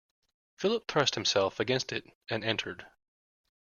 Philip thrust himself against it and entered.